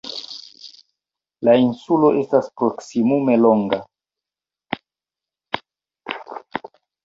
La insulo estas proksimume longa.